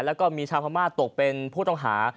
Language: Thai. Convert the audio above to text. แล้วก็มีชาวพม่าตกเป็นผู้ต้องหา